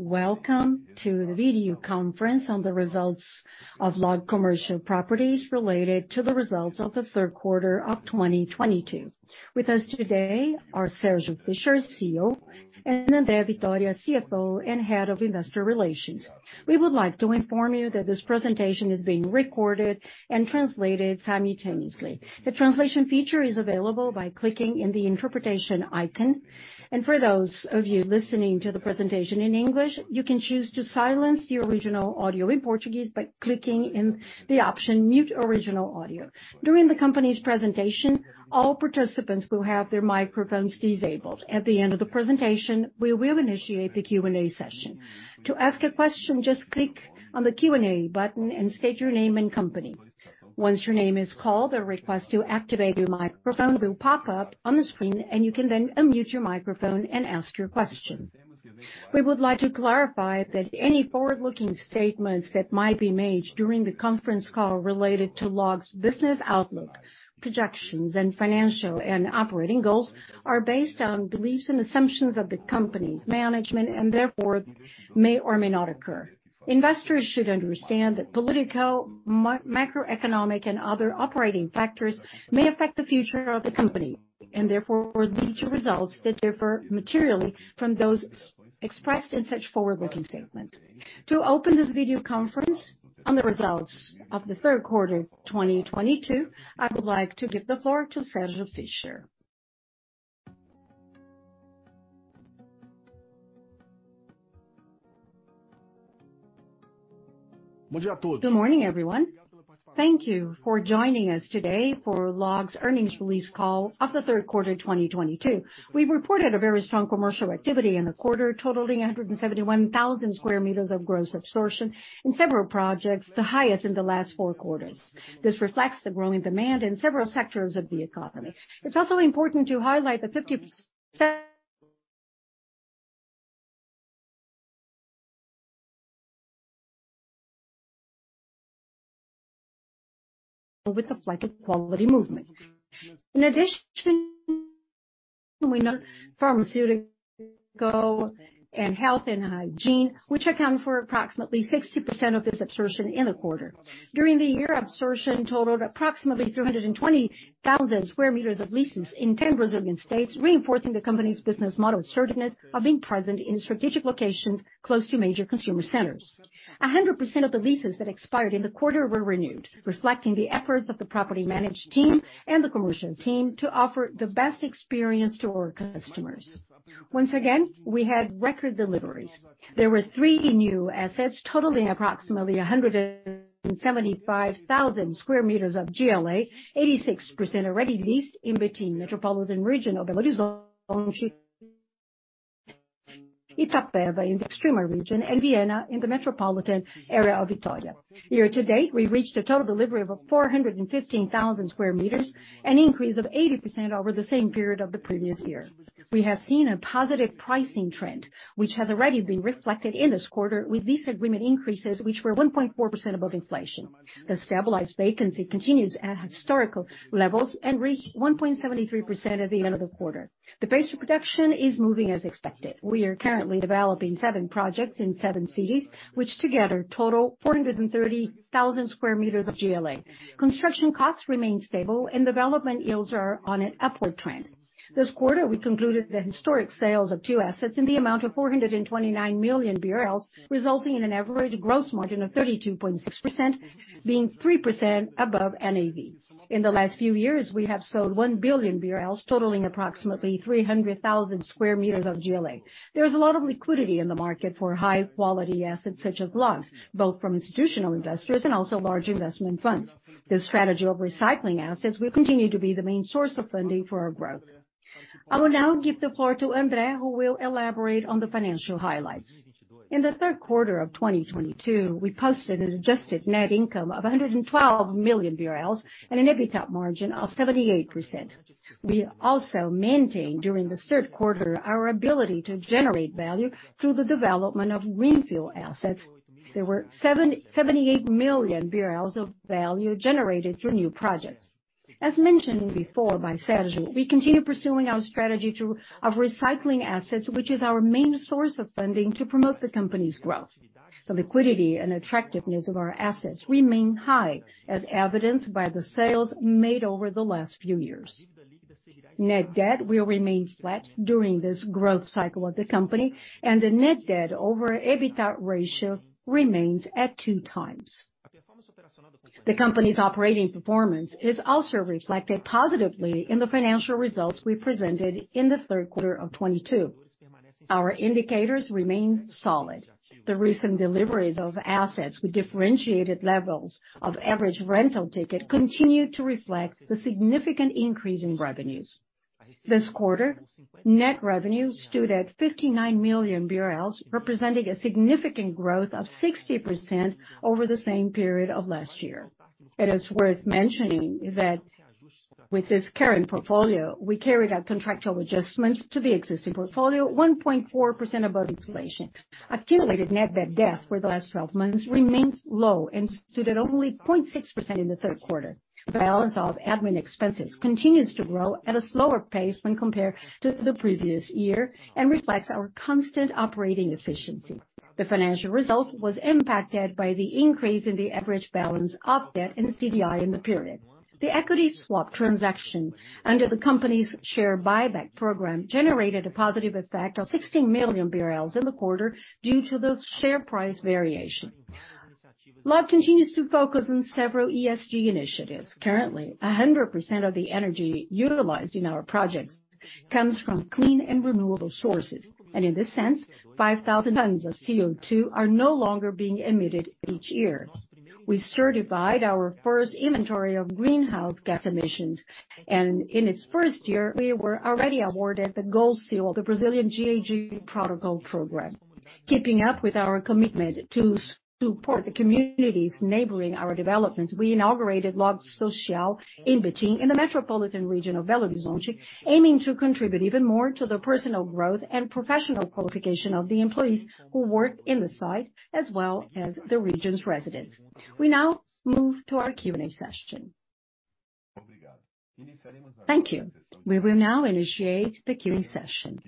Welcome to the video conference on the results of LOG Commercial Properties related to the results of the third quarter of 2022. With us today are Sérgio Fischer, CEO, and André Vitória, CFO and Head of Investor Relations. We would like to inform you that this presentation is being recorded and translated simultaneously. The translation feature is available by clicking on the interpretation icon. For those of you listening to the presentation in English, you can choose to silence the original audio in Portuguese by clicking on the option Mute Original Audio. During the company's presentation, all participants will have their microphones disabled. At the end of the presentation, we will initiate the Q&A session. To ask a question, just click on the Q&A button and state your name and company. Once your name is called, a request to activate your microphone will pop up on the screen, and you can then unmute your microphone and ask your question. We would like to clarify that any forward-looking statements that might be made during the conference call related to LOG's business outlook, projections, and financial and operating goals are based on beliefs and assumptions of the company's management and therefore may or may not occur. Investors should understand that political, macroeconomic, and other operating factors may affect the future of the company and therefore lead to results that differ materially from those expressed in such forward-looking statements. To open this video conference on the results of the third quarter 2022, I would like to give the floor to Sérgio Fischer. Good morning, everyone. Thank you for joining us today for LOG's earnings release call of the third quarter 2022. We reported a very strong commercial activity in the quarter, totaling 171,000 sq m of gross absorption in several projects, the highest in the last four quarters. This reflects the growing demand in several sectors of the economy. It's also important to highlight the 50% with the Flight to Quality movement. In addition, we note pharmaceutical and health and hygiene, which account for approximately 60% of this absorption in the quarter. During the year, absorption totaled approximately 320,000 sq m of leases in ten Brazilian states, reinforcing the company's business model assertiveness of being present in strategic locations close to major consumer centers. A hundred percent of the leases that expired in the quarter were renewed, reflecting the efforts of the property management team and the commercial team to offer the best experience to our customers. Once again, we had record deliveries. There were three new assets totaling approximately 175,000 sq m of GLA, 86% already leased in Betim metropolitan region of Belo Horizonte, Itapeva in Extrema region, and Viana in the metropolitan area of Vitória. Year-to-date, we reached a total delivery of 415,000 sq m, an increase of 80% over the same period of the previous year. We have seen a positive pricing trend, which has already been reflected in this quarter with lease agreement increases which were 1.4% above inflation. The stabilized vacancy continues at historical levels and reached 1.73% at the end of the quarter. The pace of production is moving as expected. We are currently developing seven projects in seven cities, which together total 430,000 sq m of GLA. Construction costs remain stable and development yields are on an upward trend. This quarter, we concluded the historic sales of two assets in the amount of 429 million BRL, resulting in an average gross margin of 32.6%, being 3% above NAV. In the last few years, we have sold 1 billion BRL, totaling approximately 300,000 sq m of GLA. There is a lot of liquidity in the market for high-quality assets such as LOG's, both from institutional investors and also large investment funds. This strategy of recycling assets will continue to be the main source of funding for our growth. I will now give the floor to André, who will elaborate on the financial highlights. In the third quarter of 2022, we posted an adjusted net income of 112 million BRL and an EBITDA margin of 78%. We also maintained during the third quarter our ability to generate value through the development of greenfield assets. There were 78 million of value generated through new projects. As mentioned before by Sérgio, we continue pursuing our strategy of recycling assets, which is our main source of funding to promote the company's growth. The liquidity and attractiveness of our assets remain high, as evidenced by the sales made over the last few years. Net debt will remain flat during this growth cycle of the company, and the net debt over EBITDA ratio remains at 2x. The company's operating performance is also reflected positively in the financial results we presented in the third quarter of 2022. Our indicators remain solid. The recent deliveries of assets with differentiated levels of average rental ticket continue to reflect the significant increase in revenues. This quarter, net revenue stood at 59 million BRL, representing a significant growth of 60% over the same period of last year. It is worth mentioning that with this current portfolio, we carried out contractual adjustments to the existing portfolio 1.4% above inflation. Accumulated net debt for the last twelve months remains low and stood at only 0.6% in the third quarter. The balance of admin expenses continues to grow at a slower pace when compared to the previous year and reflects our constant operating efficiency. The financial result was impacted by the increase in the average balance of debt in the CDI in the period. The equity swap transaction under the company's share buyback program generated a positive effect of 16 million BRL in the quarter due to the share price variation. LOG continues to focus on several ESG initiatives. Currently, 100% of the energy utilized in our projects comes from clean and renewable sources. In this sense, 5,000 tons of CO2 are no longer being emitted each year. We certified our first inventory of greenhouse gas emissions, and in its first year, we were already awarded the Gold Seal, the Brazilian GHG Protocol program. Keeping up with our commitment to support the communities neighboring our developments, we inaugurated Log Social in Betim, in the metropolitan region of Belo Horizonte, aiming to contribute even more to the personal growth and professional qualification of the employees who work in the site, as well as the region's residents. We now move to our Q&A session. Thank you. We will now initiate the Q&A session.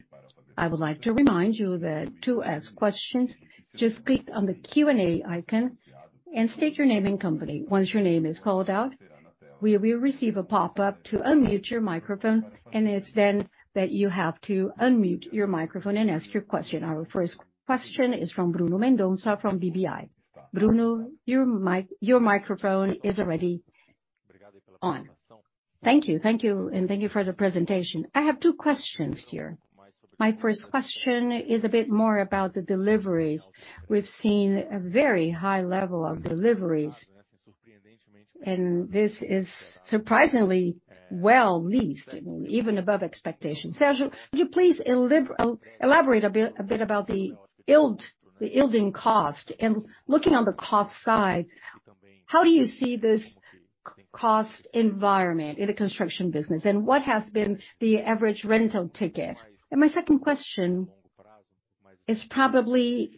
I would like to remind you that to ask questions, just click on the Q&A icon and state your name and company. Once your name is called out, we will receive a pop-up to unmute your microphone, and it's then that you have to unmute your microphone and ask your question. Our first question is from Bruno Mendonça, from BBI. Bruno, your microphone is already on. Thank you. Thank you, and thank you for the presentation. I have two questions here. My first question is a bit more about the deliveries. We've seen a very high level of deliveries, and this is surprisingly well-leased, even above expectations. Sérgio, would you please elaborate a bit about the yield, the yielding cost? Looking on the cost side, how do you see this cost environment in the construction business? What has been the average rental ticket? My second question is probably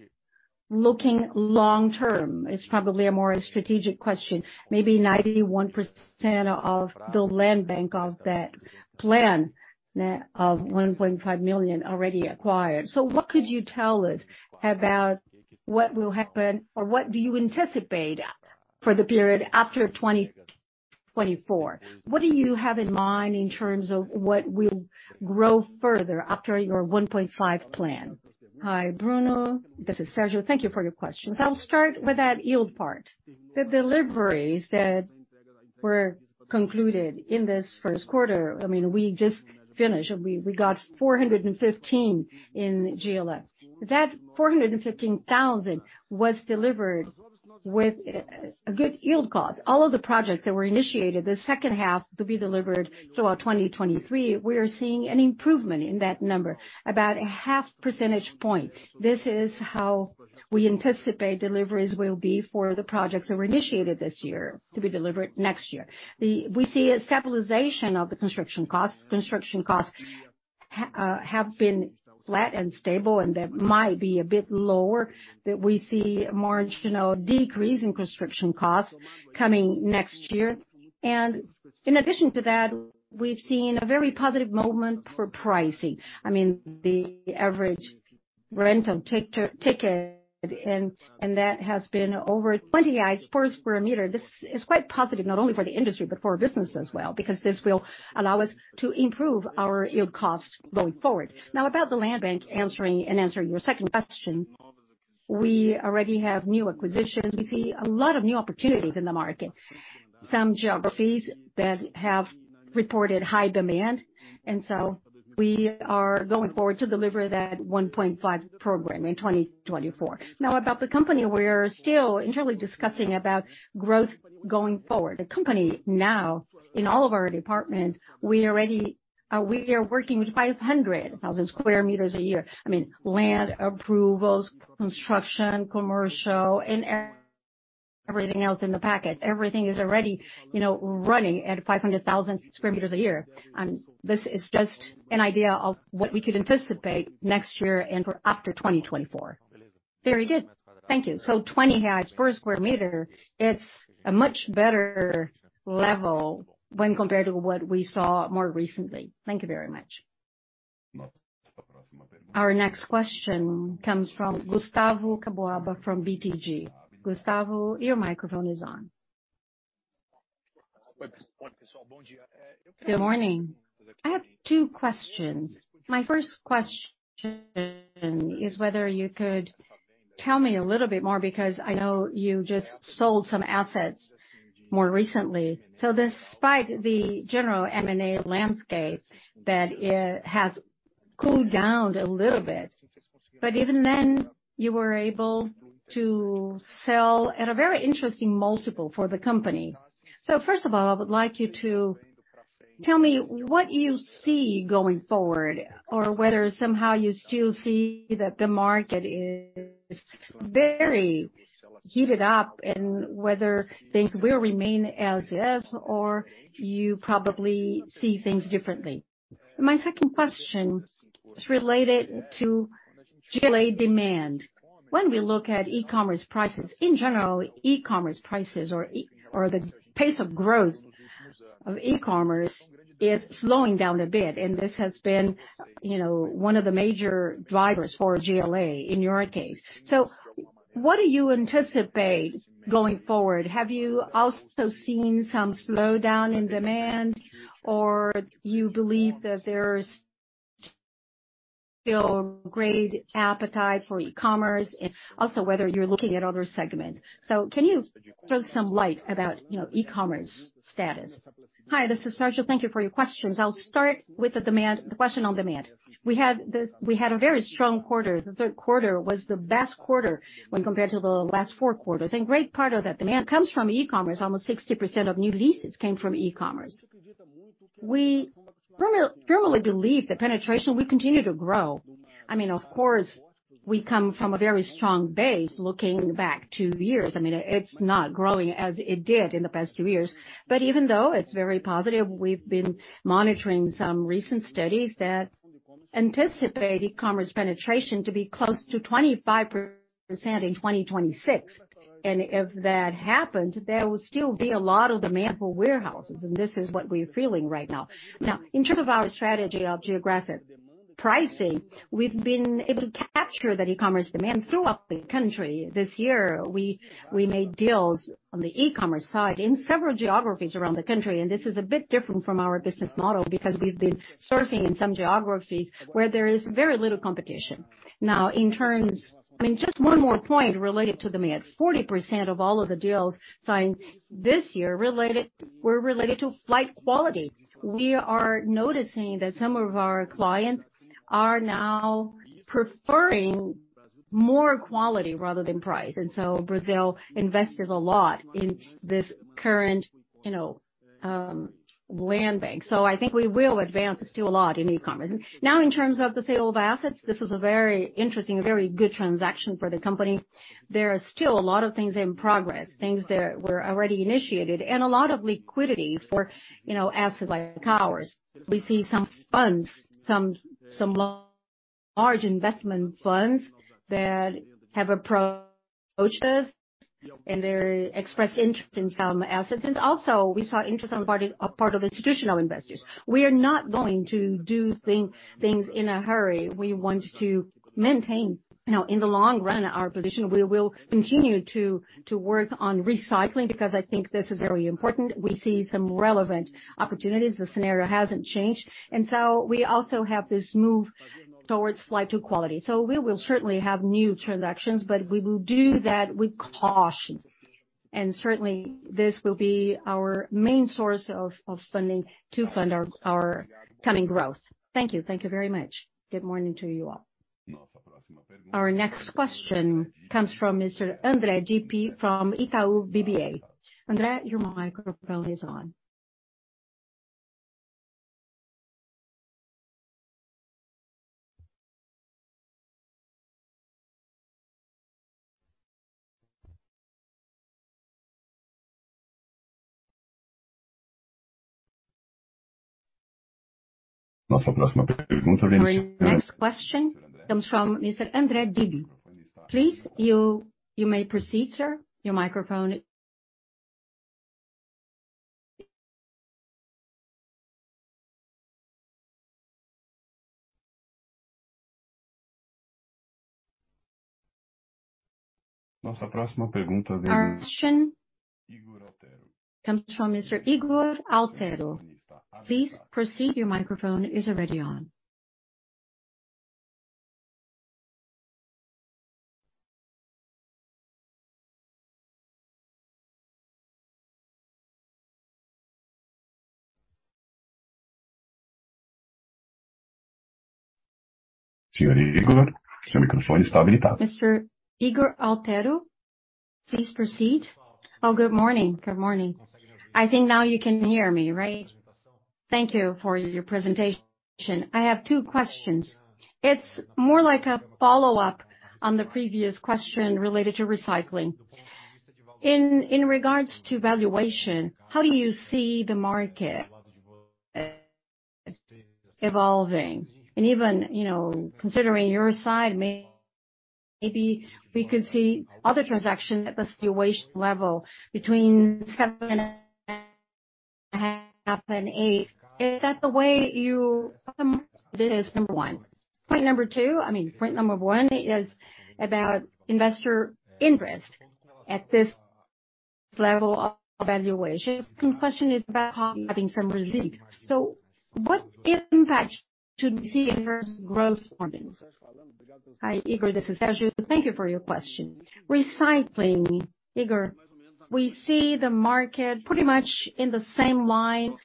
looking long-term. It's probably a more strategic question. Maybe 91% of the land bank of that plan of 1.5 million already acquired. What could you tell us about what will happen or what do you anticipate for the period after 2024? What do you have in mind in terms of what will grow further after your 1.5 million plan? Hi, Bruno. This is Sérgio. Thank you for your questions. I'll start with that yield part. The deliveries that were concluded in this first quarter, we just finished, and we got 415,000 in GLA. That 415,000 was delivered with a good yield cost. All of the projects that were initiated the second half to be delivered throughout 2023, we are seeing an improvement in that number, about a half percentage point. This is how we anticipate deliveries will be for the projects that were initiated this year to be delivered next year. We see a stabilization of the construction costs. Construction costs have been flat and stable, and that might be a bit lower, but we see a marginal decrease in construction costs coming next year. In addition to that, we've seen a very positive moment for pricing. I mean, the average rental ticket and that has been over 20 per sq m. This is quite positive not only for the industry but for our business as well, because this will allow us to improve our yield cost going forward. Now about the land bank, answering your second question, we already have new acquisitions. We see a lot of new opportunities in the market, some geographies that have reported high demand. We are going forward to deliver that 1.5 program in 2024. Now about the company, we're still internally discussing about growth going forward. The company now, in all of our departments, we are working with 500,000 sq m a year. I mean, land approvals, construction, commercial and everything else in the package. Everything is already, you know, running at 500,000 sq m a year. This is just an idea of what we could anticipate next year and for after 2024. Very good. Thank you. 20 per sq m, it's a much better level when compared to what we saw more recently. Thank you very much. Our next question comes from Gustavo Cambauva from BTG. Gustavo, your microphone is on. Good morning. I have two questions. My first question is whether you could tell me a little bit more because I know you just sold some assets more recently. Despite the general M&A landscape that has cooled down a little bit, but even then, you were able to sell at a very interesting multiple for the company. First of all, I would like you to tell me what you see going forward or whether somehow you still see that the market is very heated up and whether things will remain as is or you probably see things differently. My second question is related to GLA demand. When we look at e-commerce prices, in general, e-commerce prices or the pace of growth of e-commerce is slowing down a bit. This has been, you know, one of the major drivers for GLA in your case. What do you anticipate going forward? Have you also seen some slowdown in demand or you believe that there's still great appetite for e-commerce? And also whether you're looking at other segments. So can you throw some light about, you know, e-commerce status? Hi, this is Sérgio. Thank you for your questions. I'll start with the question on demand. We had a very strong quarter. The third quarter was the best quarter when compared to the last four quarters. Great part of that demand comes from e-commerce. Almost 60% of new leases came from e-commerce. We firmly believe that penetration will continue to grow. I mean, of course, we come from a very strong base looking back two years. I mean, it's not growing as it did in the past two years. Even though it's very positive, we've been monitoring some recent studies that anticipate e-commerce penetration to be close to 25% in 2026. If that happens, there will still be a lot of demand for warehouses, and this is what we're feeling right now. Now, in terms of our strategy on geographic pricing, we've been able to capture that e-commerce demand throughout the country. This year, we made deals on the e-commerce side in several geographies around the country. This is a bit different from our business model because we've been surfing in some geographies where there is very little competition. Now, in terms... I mean, just one more point related to demand, 40% of all of the deals signed this year were related to Flight to Quality. We are noticing that some of our clients are now preferring more quality rather than price. Brazil invested a lot in this current land bank. I think we will advance still a lot in e-commerce. Now in terms of the sale of assets, this is a very interesting, very good transaction for the company. There are still a lot of things in progress, things that were already initiated, and a lot of liquidity for assets like ours. We see some large investment funds that have approached us, and they express interest in some assets. We saw interest on the part of institutional investors. We are not going to do things in a hurry. We want to maintain, you know, in the long run, our position. We will continue to work on recycling because I think this is very important. We see some relevant opportunities. The scenario hasn't changed. We also have this move towards Flight to Quality. We will certainly have new transactions, but we will do that with caution. This will be our main source of funding to fund our coming growth. Thank you. Thank you very much. Good morning to you all. Our next question comes from Mr. André Dibe from Itaú BBA. André, your microphone is on. Our next question comes from Mr. André Dibe. Please, you may proceed, sir. Your microphone. Our question comes from Mr. Ygor Altero. Please proceed. Your microphone is already on. Mr. Ygor Altero, please proceed. Good morning. I think now you can hear me, right? Thank you for your presentation. I have two questions. It's more like a follow-up on the previous question related to recycling. In regards to valuation, how do you see the market evolving? Even, you know, considering your side, maybe we could see other transactions at the situation level between seven and eight. This is number one. Point number one is about investor interest at this level of valuation. Second question is about having some relief. What impact should we see in your gross margins? Hi, Ygor, this is Sérgio. Thank you for your question. Recycling, Ygor, we see the market pretty much in the same line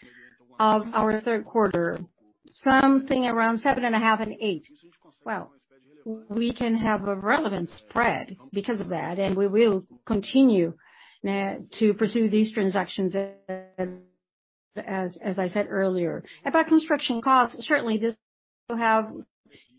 of our third quarter, something around 7.5 and eight. Well, we can have a relevant spread because of that, and we will continue to pursue these transactions, as I said earlier. About construction costs, certainly this will have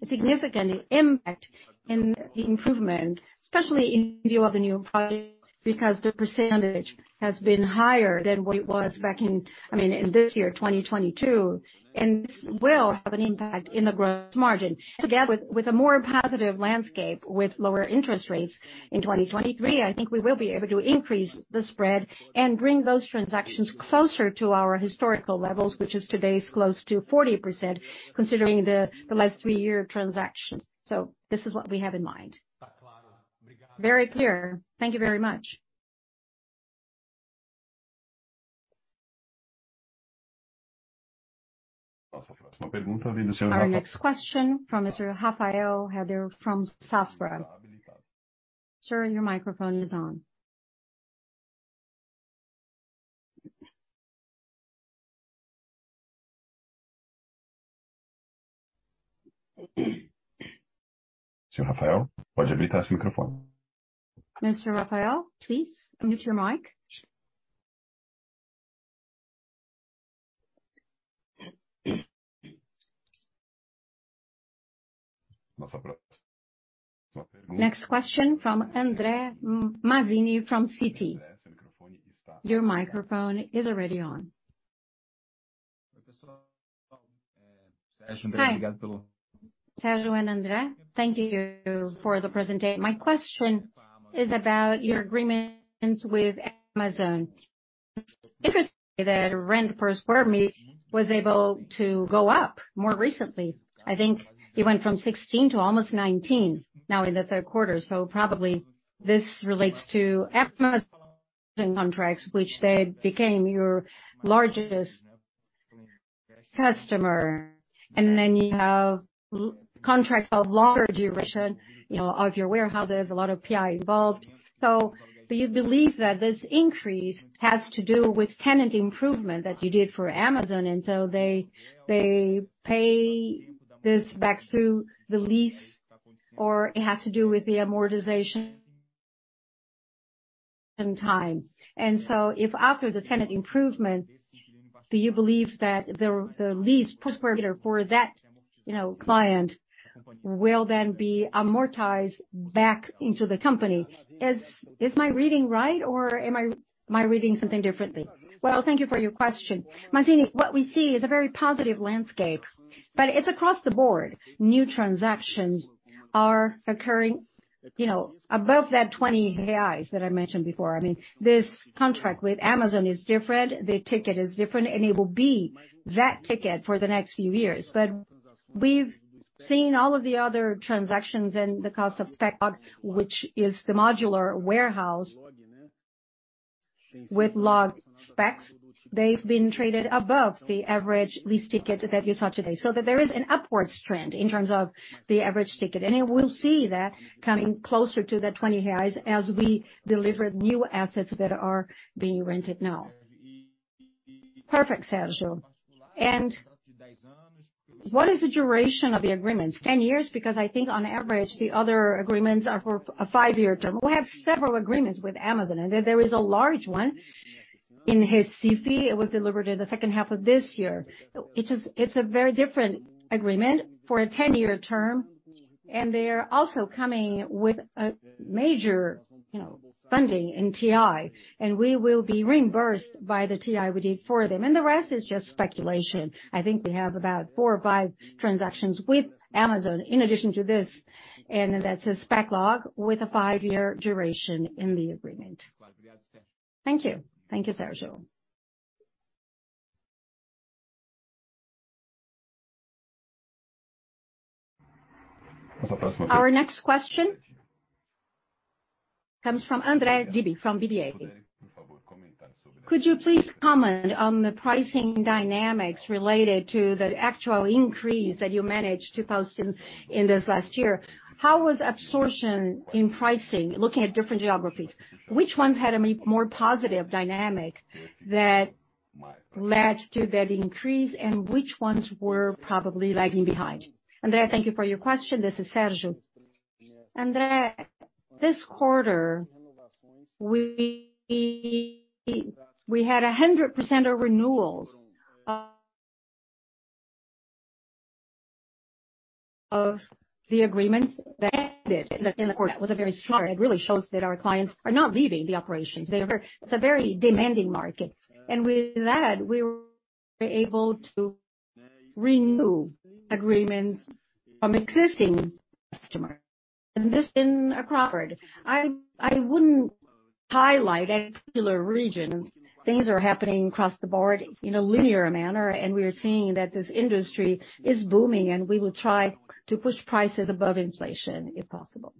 a significant impact in the improvement, especially in view of the new project, because the percentage has been higher than what it was back in, I mean, in this year, 2022. This will have an impact in the gross margin. Together with a more positive landscape with lower interest rates in 2023, I think we will be able to increase the spread and bring those transactions closer to our historical levels, which is today is close to 40%, considering the last three-year transactions. This is what we have in mind. Very clear. Thank you very much. Our next question from Mr. Rafael Rehder from Safra. Sir, your microphone is on. Mr. Rafael Rehder, please unmute your mic. Next question from André Mazini from Citigroup. Your microphone is already on. Hi. Sérgio Fischer and André Vitória. Thank you for the presentation. My question is about your agreements with Amazon. Interesting that rent per square meter was able to go up more recently. I think it went from 16 to almost 19 now in the third quarter. Probably this relates to Amazon contracts, which they became your largest customer. Then you have lease contracts of longer duration, you know, of your warehouses, a lot of TI involved. Do you believe that this increase has to do with tenant improvement that you did for Amazon, and so they pay this back through the lease, or it has to do with the amortization time? If after the tenant improvement, do you believe that the lease per square meter for that, you know, client will then be amortized back into the company? Is my reading right, or am I reading something differently? Well, thank you for your question. André Mazini, what we see is a very positive landscape, but it's across the board. New transactions are occurring, you know, above 20 reais that I mentioned before. I mean, this contract with Amazon is different. The ticket is different, and it will be that ticket for the next few years. But we've seen all of the other transactions and the cost of spec, which is the modular warehouse. With LOG Specs, they've been traded above the average lease ticket that you saw today, so that there is an upward trend in terms of the average ticket. We'll see that coming closer to the 20 as we deliver new assets that are being rented now. Perfect, Sérgio. What is the duration of the agreements? 10 years, because I think on average the other agreements are for a five-year term. We have several agreements with Amazon, and there is a large one in Recife. It was delivered in the second half of this year. It's a very different agreement for a 10-year term, and they are also coming with a major, you know, funding in TI, and we will be reimbursed by the TI we did for them. The rest is just speculation. I think we have about four or five transactions with Amazon in addition to this, and that's a LOG Spec with a five-year duration in the agreement. Thank you. Thank you, Sérgio. Our next question comes from André Dibe from Itaú BBA. Could you please comment on the pricing dynamics related to the actual increase that you managed to post in this last year? How was absorption in pricing, looking at different geographies? Which ones had a more positive dynamic that led to that increase, and which ones were probably lagging behind? André, thank you for your question. This is Sérgio. André, this quarter we had 100% of renewals of the agreements that ended in the quarter. It was a very strong. It really shows that our clients are not leaving the operations. They're very. It's a very demanding market. With that, we were able to renew agreements from existing customers. This has been across the board. I wouldn't highlight a particular region. Things are happening across the board in a linear manner, and we are seeing that this industry is booming, and we will try to push prices above inflation if possible.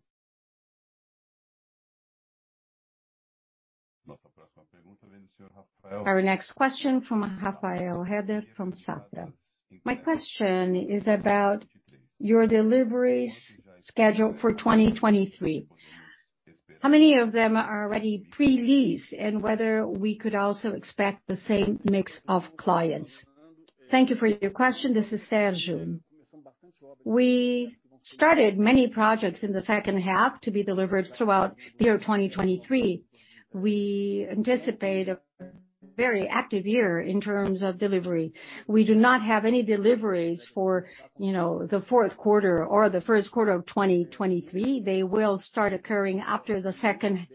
Our next question from Rafael Rehder from Safra. My question is about your deliveries scheduled for 2023. How many of them are already pre-leased, and whether we could also expect the same mix of clients? Thank you for your question. This is Sérgio. We started many projects in the second half to be delivered throughout the year 2023. We anticipate a very active year in terms of delivery. We do not have any deliveries for, you know, the fourth quarter or the first quarter of 2023. They will start occurring after the second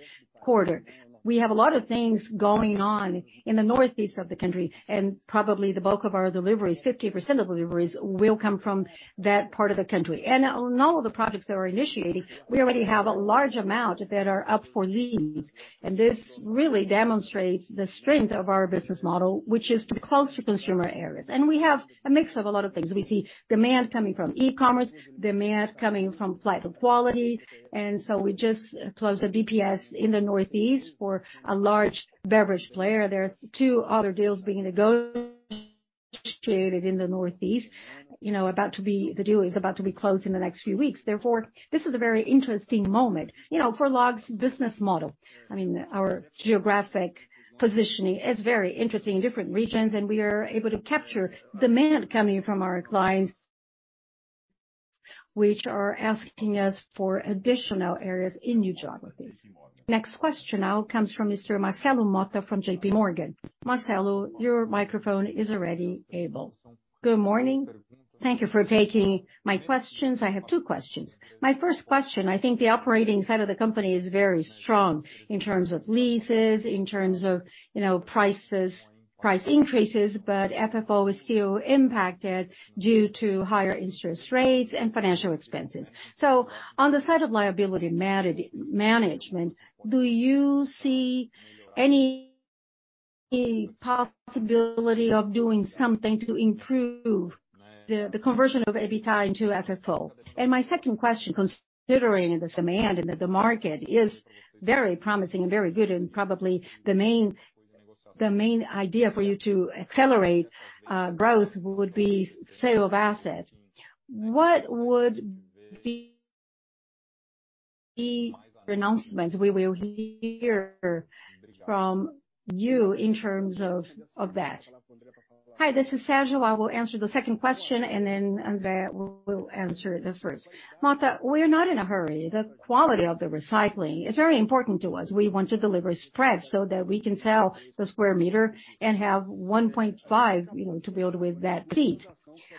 quarter. We have a lot of things going on in the Northeast of the country, and probably the bulk of our deliveries, 50% of deliveries, will come from that part of the country. On all of the projects that we're initiating, we already have a large amount that are up for lease. This really demonstrates the strength of our business model, which is to be close to consumer areas. We have a mix of a lot of things. We see demand coming from e-commerce, demand coming from flight to quality. We just closed a BTS in the Northeast for a large beverage player. There are two other deals being negotiated in the Northeast, you know, about to be closed in the next few weeks. Therefore, this is a very interesting moment, you know, for LOG's business model. I mean, our geographic positioning is very interesting in different regions, and we are able to capture demand coming from our clients, which are asking us for additional areas in new geographies. Next question now comes from Mr. Marcelo Motta from J.P. Morgan. Marcelo, your microphone is already on. Good morning. Thank you for taking my questions. I have two questions. My first question, I think the operating side of the company is very strong in terms of leases, in terms of, you know, prices, price increases, but FFO is still impacted due to higher interest rates and financial expenses. On the side of liability management, do you see any possibility of doing something to improve the conversion of EBITDA into FFO? My second question, considering the demand and that the market is very promising and very good, and probably the main idea for you to accelerate growth would be sale of assets. What would be the announcements we will hear from you in terms of that? Hi, this is Sérgio. I will answer the second question, and then André will answer the first. Motta, we are not in a hurry. The quality of the recycling is very important to us. We want to deliver spreads so that we can sell the sq m and have 1.5, you know, to build with that feet.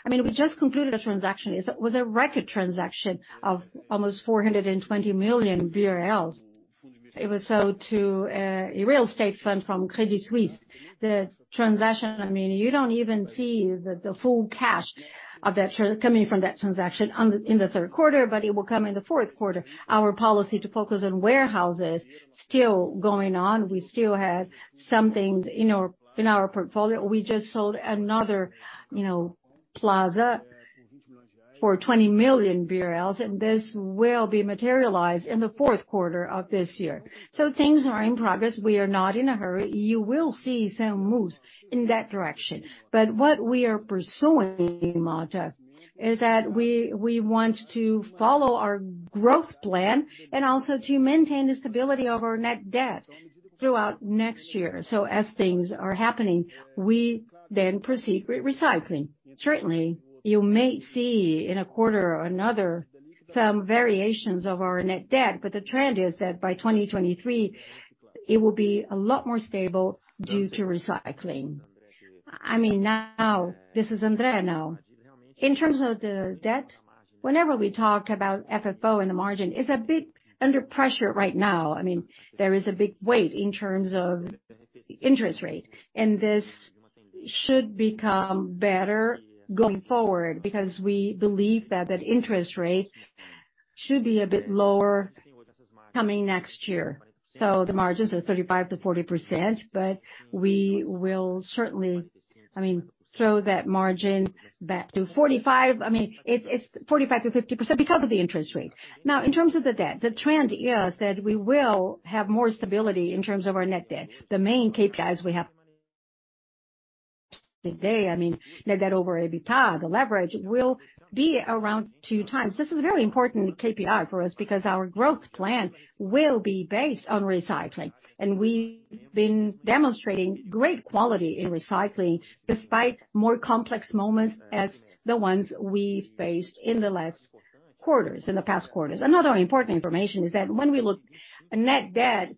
I mean, we just concluded a transaction. It's a record transaction of almost 420 million BRL. It was sold to a real estate fund from Credit Suisse. The transaction, I mean, you don't even see the full cash coming from that transaction in the third quarter, but it will come in the fourth quarter. Our policy to focus on warehouses still going on. We still have some things in our portfolio. We just sold another, you know, plaza for 20 million BRL, and this will be materialized in the fourth quarter of this year. Things are in progress. We are not in a hurry. You will see some moves in that direction. What we are pursuing, Motta, is that we want to follow our growth plan and also to maintain the stability of our net debt throughout next year. As things are happening, we then proceed with recycling. Certainly, you may see in a quarter or another some variations of our net debt, but the trend is that by 2023 it will be a lot more stable due to recycling. I mean, now. This is André now. In terms of the debt, whenever we talk about FFO and the margin is a bit under pressure right now. I mean, there is a big weight in terms of interest rate, and this should become better going forward because we believe that the interest rate should be a bit lower coming next year. The margins are 35%-40%, but we will certainly, I mean, throw that margin back to 45%. I mean, it's 45%-50% because of the interest rate. Now, in terms of the debt, the trend is that we will have more stability in terms of our net debt. The main KPIs we have today, I mean, net debt over EBITDA, the leverage will be around 2x. This is a very important KPI for us because our growth plan will be based on recycling, and we've been demonstrating great quality in recycling despite more complex moments as the ones we faced in the last quarters, in the past quarters. Another important information is that when we look at net debt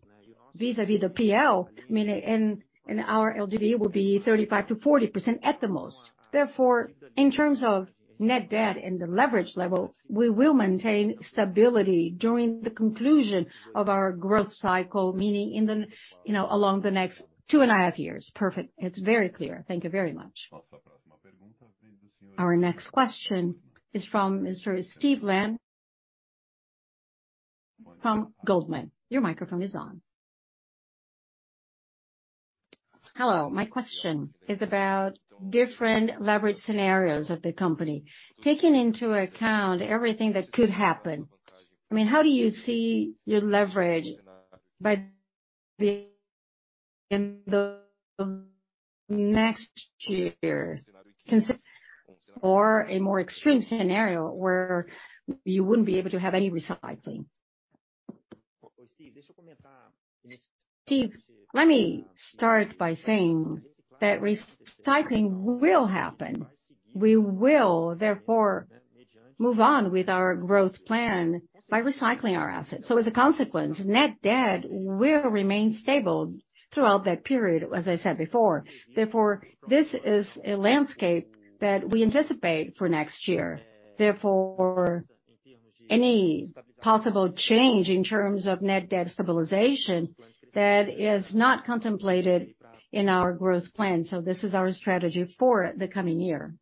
vis-à-vis the PL, I mean, and our LTV will be 35%-40% at the most. Therefore, in terms of net debt and the leverage level, we will maintain stability during the conclusion of our growth cycle, meaning, you know, along the next 2.5 years. Perfect. It's very clear. Thank you very much. Our next question is from Mr. Steve Lam from Goldman Sachs. Your microphone is on. Hello. My question is about different leverage scenarios of the company. Taking into account everything that could happen, I mean, how do you see your leverage by the end of next year or a more extreme scenario where you wouldn't be able to have any recycling? Steve, let me start by saying that recycling will happen. We will therefore move on with our growth plan by recycling our assets. As a consequence, net debt will remain stable throughout that period, as I said before. Therefore, this is a landscape that we anticipate for next year. Therefore, any possible change in terms of net debt stabilization that is not contemplated in our growth plan. This is our strategy for the coming year.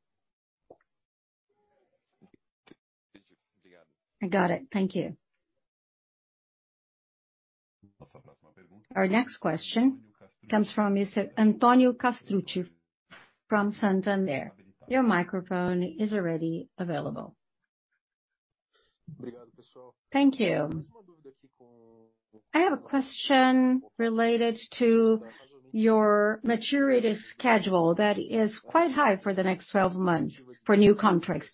I got it. Thank you. Our next question comes from Mr. Antonio Castrucci from Santander. Your microphone is already available. Thank you. I have a question related to your maturity schedule that is quite high for the next 12 months for new contracts.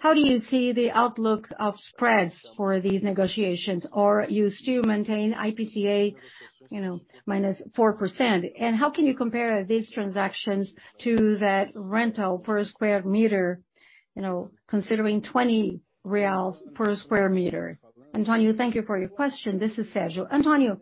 How do you see the outlook of spreads for these negotiations? Or you still maintain IPCA, you know, -4%. How can you compare these transactions to that rental per square meter, you know, considering 20 reais per sq m? Antonio, thank you for your question. This is Sérgio. Antonio,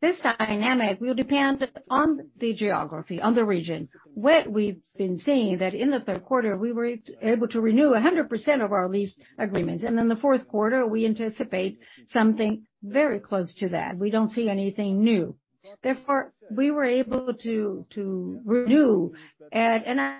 this dynamic will depend on the geography, on the region. What we've been seeing that in the third quarter we were able to renew 100% of our lease agreements. In the fourth quarter we anticipate something very close to that. We don't see anything new. Therefore, we were able to to renew at an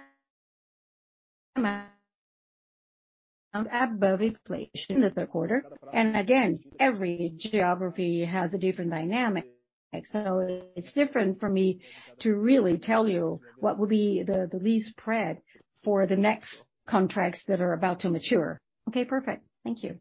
above inflation in the third quarter. Again, every geography has a different dynamic. It's different for me to really tell you what will be the lease spread for the next contracts that are about to mature. Okay, perfect. Thank you.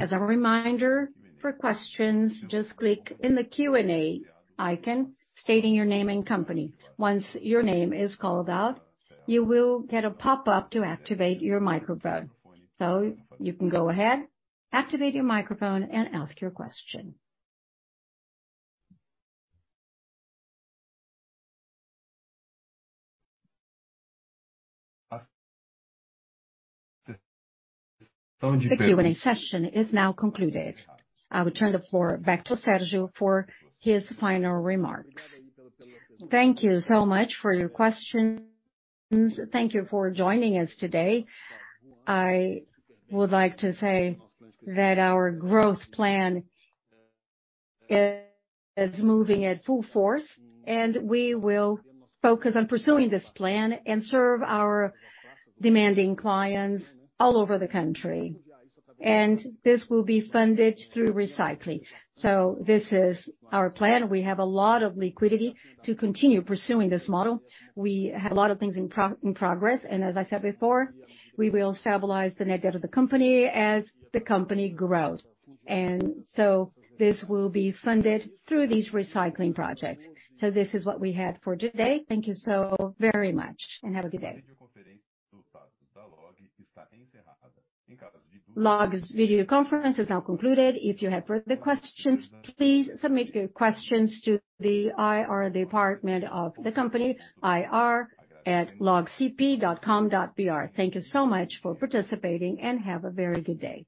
As a reminder, for questions, just click in the Q&A icon stating your name and company. Once your name is called out, you will get a pop-up to activate your microphone. You can go ahead, activate your microphone and ask your question. The Q&A session is now concluded. I will turn the floor back to Sérgio for his final remarks. Thank you so much for your questions. Thank you for joining us today. I would like to say that our growth plan is moving at full force, and we will focus on pursuing this plan and serve our demanding clients all over the country. This will be funded through recycling. This is our plan. We have a lot of liquidity to continue pursuing this model. We have a lot of things in progress. As I said before, we will stabilize the net debt of the company as the company grows. This will be funded through these recycling projects. This is what we have for today. Thank you so very much, and have a good day. LOG's video conference is now concluded. If you have further questions, please submit your questions to the IR department of the company, ir@logcp.com.br. Thank you so much for participating, and have a very good day.